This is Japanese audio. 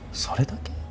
それだけ？